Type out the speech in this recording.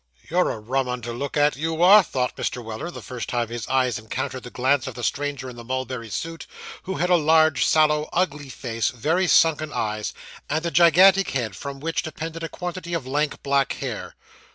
'You're a rum 'un to look at, you are!' thought Mr. Weller, the first time his eyes encountered the glance of the stranger in the mulberry suit, who had a large, sallow, ugly face, very sunken eyes, and a gigantic head, from which depended a quantity of lank black hair.